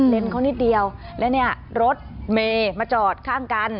เล่นเขานิดเดียวแล้วเนี่ยรถมีมาจอดข้างกัน